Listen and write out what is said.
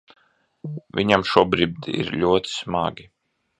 Viņam šobrīd ir ļoti smagi.